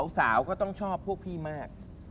สาวก็ต้องชอบพวกพี่มาก